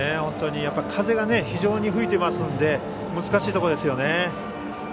非常に風が吹いていますので難しいところですよね。